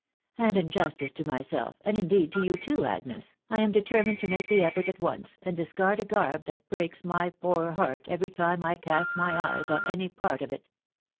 And in justice to myself, and indeed to you too, Agnes, I am deter mined to make the effort at once, and discard a garb that breaks my poor heart every time I cast my eyes on any part a> it.